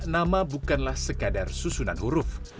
nama bukanlah sekadar susunan huruf